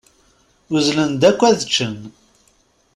Uzzlen-d akk ad ččen.